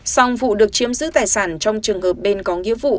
song vụ được chiếm giữ tài sản trong trường hợp bên có nghĩa vụ